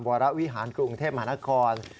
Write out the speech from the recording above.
วรวิหารกรุงเทพมหานคร